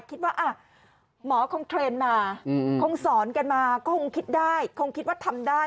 คิดว่าหมอคงเทรนด์มาคงสอนกันมาก็คงคิดได้คงคิดว่าทำได้